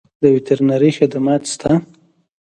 د وترنرۍ خدمات شته؟